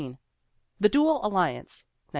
The Dual Alliance, 1915.